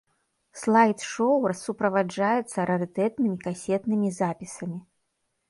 Слайд-шоў суправаджаецца рарытэтнымі касетнымі запісамі.